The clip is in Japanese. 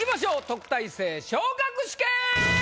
「特待生昇格試験」！